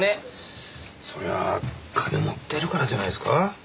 そりゃあ金持ってるからじゃないですか？